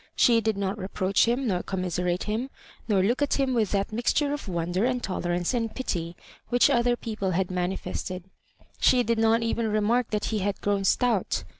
She did not re proach him, nor commiserate him, nor look at him wiUi that nuxture of wonder and tolerance and pity which other pe'ople had manifested. She did not even remark that he had grown stout.